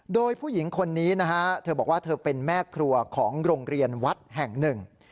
โดยผู้หญิงคนนี้นะฮะเธอบอกว่าเธอเป็นแม่ครัวของโรงเรียนวัดแห่งหนึ่ง